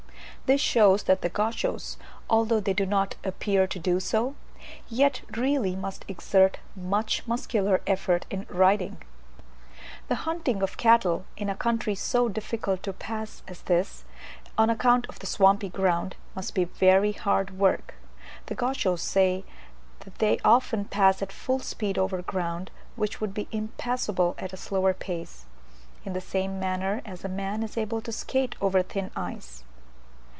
This shows that the Gauchos, although they do not appear to do so, yet really must exert much muscular effort in riding. The hunting wild cattle, in a country so difficult to pass as this is on account of the swampy ground, must be very hard work. The Gauchos say they often pass at full speed over ground which would be impassable at a slower pace; in the same manner as a man is able to skate over thin ice.